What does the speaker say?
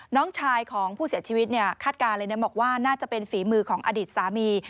น้องชายของผู้เสียชีวิตเนี่ยคาดการณ์เลยนะบอกว่าน่าจะเป็นฝีมือของอดีตสามี